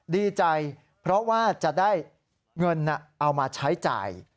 ดีใจเพราะว่าจะได้เงินเอามาใช้จ่าย